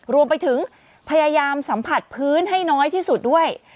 รวมไปถึงพยายามสัมผัสพื้นให้น้อยที่สุดด้วย